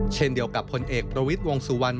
เช่นเดียวกับผลเอกประวิทย์วงสุวรรณ